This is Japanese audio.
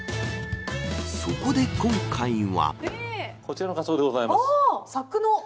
そこで今回は。